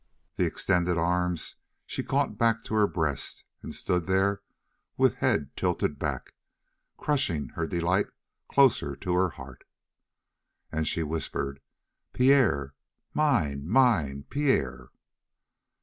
The extended arms she caught back to her breast, and stood there with head tilted back, crushing her delight closer to her heart. And she whispered: "Pierre! Mine, mine! Pierre!"